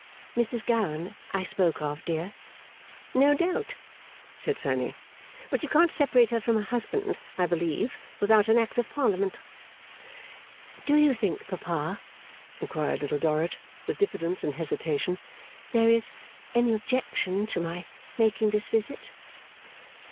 'Mrs Gowan I spoke of, dear.' 'No doubt,' said Fanny. 'But you can't separate her from her husband, I believe, without an Act of Parliament.' 'Do you think, Papa,' inquired Little Dorrit, with diffidence and hesitation, 'there is any objection to my making this visit?